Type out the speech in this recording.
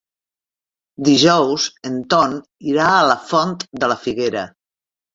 Dijous en Ton irà a la Font de la Figuera.